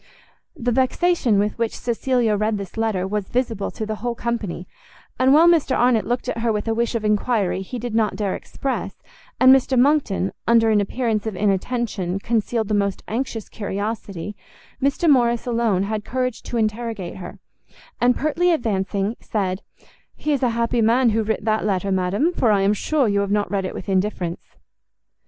The vexation with which Cecilia read this letter was visible to the whole company; and while Mr Arnott looked at her with a wish of enquiry he did not dare express, and Mr Monckton, under an appearance of inattention, concealed the most anxious curiosity, Mr Morrice alone had courage to interrogate her; and, pertly advancing, said, "He is a happy man who writ that letter, ma'am, for I am sure you have not read it with indifference."